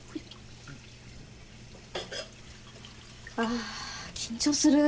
あ緊張する。